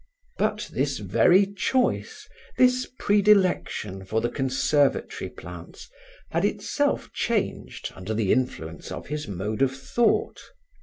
But this very choice, this predilection for the conservatory plants had itself changed under the influence of his mode of thought.